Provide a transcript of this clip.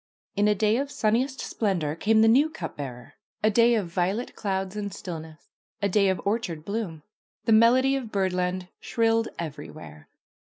In a day of sunniest splendor came the new cup bearer, a day of violet clouds and stillness, a day of orchard bloom. The melody of bird! and shrilled everywhere.